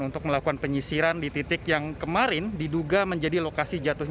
untuk melakukan penyisiran di titik yang kemarin diduga menjadi lokasi jatuhnya